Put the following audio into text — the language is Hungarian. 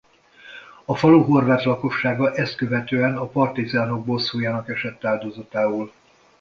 A falu horvát lakossága ezt követően a partizánok bosszújának esett áldozatául.